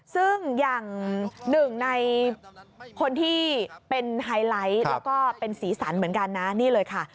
ซึ่งอย่างหนึ่งในคนที่เป็นไฮไลท์แล้วก็เป็นสีสันเหมือนกันนะนี่เลยค่ะ